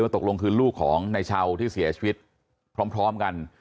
ตกลงคือลูกของนายชาวที่เสียชีวิตพร้อมกัน